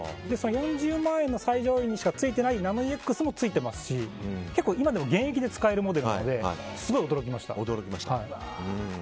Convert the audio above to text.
４０万円の最上位にしかついてないナノイーＸもついていますし結構今でも現役で使えるモデルなのですごい驚きました。